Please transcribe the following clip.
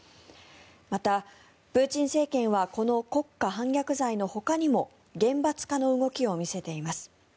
また、プーチン政権はこの国家反逆罪のほかにも厳罰化の動きを見せています。